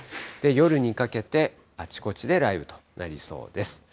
夜にかけて、あちこちで雷雨となりそうです。